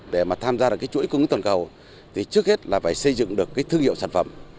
để mà tham gia được cái chuỗi cung ứng toàn cầu thì trước hết là phải xây dựng được cái thương hiệu sản phẩm